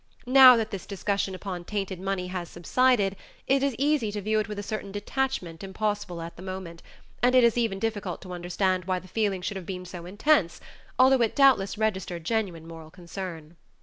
Now that this discussion upon tainted money has subsided, it is easy to view it with a certain detachment impossible at the moment, and it is even difficult to understand why the feeling should have been so intense, although it doubtless registered genuine moral concern.